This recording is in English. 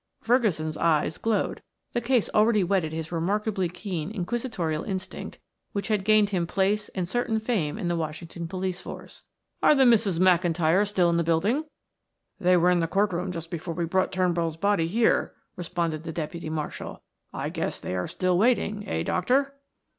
Ferguson's eyes glowed; the case already whetted his remarkably keen inquisitorial instinct which had gained him place and certain fame in the Washington police force. "Are the Misses McIntyre still in the building?" "They were in the court room just before we brought Turnbull's body here," responded the deputy marshal. "I guess they are still waiting, eh, doctor?"